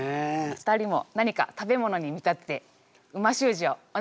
２人も何か食べ物に見立てて美味しゅう字をお願いします。